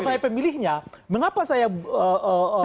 kalau saya pemilihnya mengapa saya ee